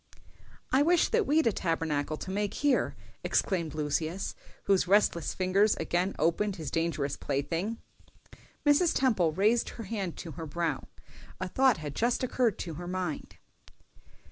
] "I wish that we'd a Tabernacle to make here," exclaimed Lucius, whose restless fingers again opened his dangerous plaything. Mrs. Temple raised her hand to her brow: a thought had just occurred to her mind.